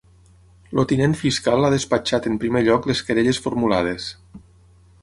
El tinent fiscal ha despatxat en primer lloc les querelles formulades.